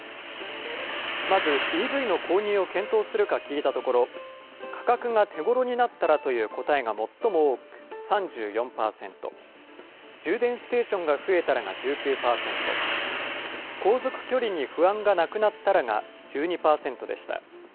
まずＥＶの購入を検討するか聞いたところ、価格が手ごろになったらという答えが最も多く３４％、充電ステーションが増えたらが１９％、航続距離に不安がなくなったらが１２％でした。